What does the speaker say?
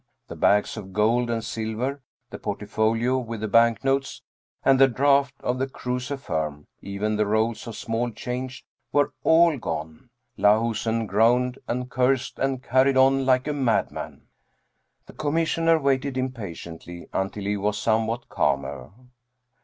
The bags of gold and silver, the portfolio with the banknotes and the draft of the Kruse firm, even the rolls of small change, were all gone. Lahusen groaned and cursed and carried on like a madman. The Commissioner waited impatiently until he was some what calmer.